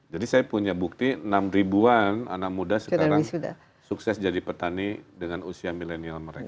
jadi saya punya bukti enam ribuan anak muda sekarang sukses jadi petani dengan usia milenial mereka